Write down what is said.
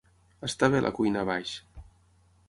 Està bé la cuina a baix.